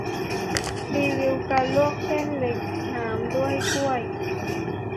รีวิวการลวกเส้นเล็กน้ำด้วยถ้วย